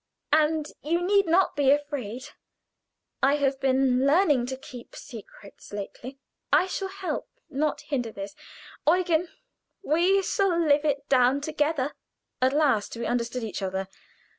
And you need not be afraid. I have been learning to keep secrets lately. I shall help, not hinder you. Eugen, we will live it down together." At last we understood each other.